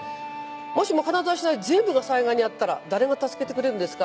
もしも金沢市内全部が災害に遭ったら誰が助けてくれるんですか？